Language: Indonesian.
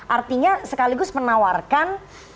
artinya sekaligus menawarkan